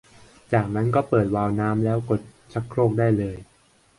จากนั้นก็เปิดวาล์วน้ำแล้วกดชักโครกได้เลย